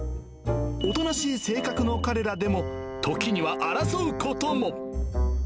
おとなしい性格の彼らでも、時には争うことも。